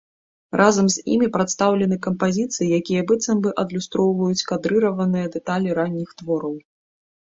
Разам з імі прадстаўлены кампазіцыі, якія быццам бы адлюстроўваюць кадрыраваныя дэталі ранніх твораў.